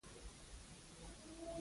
موږ د باران څاڅکو ته کتل.